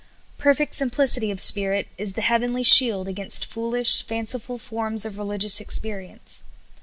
Perfect simplicity of spirit is the heavenly shield against foolish, fanciful forms of religious experience.